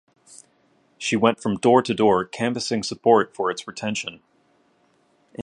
She went from door to door canvassing support for its retention.